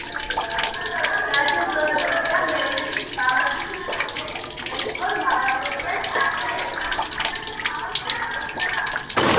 დაჯილდოებულია მედლით „მამაცური შრომისთვის“, ნესტორ მალაზონიას სახელი ეწოდა ქუჩებს ქალაქ ოზურგეთსა და ბათუმში.